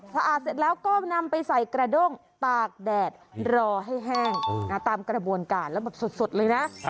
สะอาดเสร็จแล้วก็นำไปใส่กระด้งตากแดดรอให้แห้งตามกระบวนการแล้วแบบสดเลยนะ